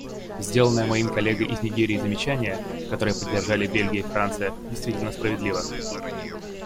Сделанное моим коллегой из Нигерии замечание, которое поддержали Бельгия и Франция, действительно справедливо.